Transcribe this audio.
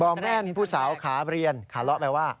แม่นผู้สาวขาเรียนขาเลาะแปลว่า